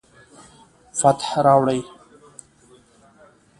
فتح راوړي